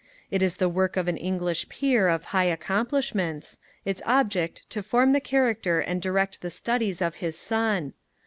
It is the Work of an English Peer of high accomplishments, its object to form the character and direct the studies of his son.